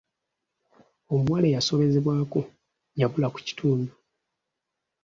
Omuwala eyasobezebwako yabula ku kitundu.